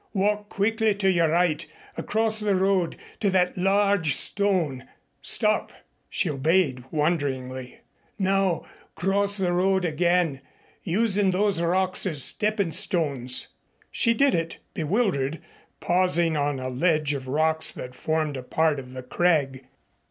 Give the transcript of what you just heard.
Walk quickly to your right, across the road to that large stone. Stop!" She obeyed wonderingly. "Now cross the road again, using those rocks as stepping stones." She did it, bewildered, pausing on a ledge of rocks that formed a part of the crag.